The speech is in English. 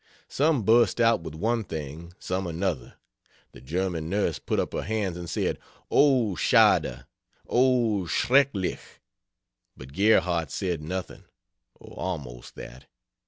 Some burst out with one thing, some another; the German nurse put up her hands and said, "Oh, Schade! oh, schrecklich!" But Gerhardt said nothing; or almost that.